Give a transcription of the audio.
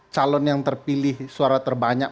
calon yang terpilih suara terbanyak